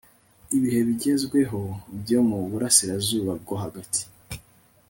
Ibihe bigezweho byo mu burasirazuba bwo hagati